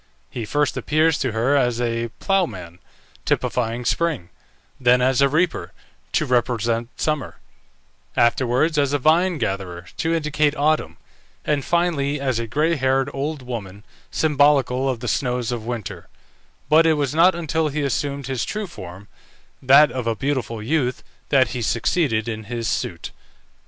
He first appears to her as a ploughman, typifying Spring; then as a reaper, to represent Summer; afterwards as a vine gatherer, to indicate Autumn; and finally as a gray haired old woman, symbolical of the snows of Winter; but it was not until he assumed his true form, that of a beautiful youth, that he succeeded in his suit.